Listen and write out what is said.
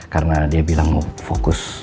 karena dia bilang mau fokus